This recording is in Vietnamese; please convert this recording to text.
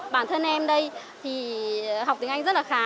bản thân em đây thì học tiếng anh rất là khá